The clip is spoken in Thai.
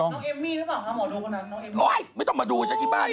โอ๊ยไม่ต้องมาดูฉันอีบ้าย